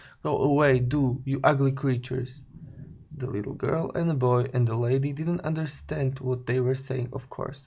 Go away, do, you ugly creatures!" The little girl and boy and the lady didn't understand what they were saying, of course.